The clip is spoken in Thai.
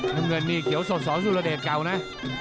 น้ำเงินนี่เขียวสดสสุรเดชเก่านะ